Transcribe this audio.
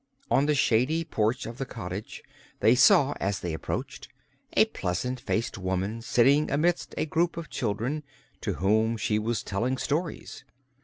On the shady porch of the cottage they saw, as they approached, a pleasant faced woman sitting amidst a group of children, to whom she was telling stories.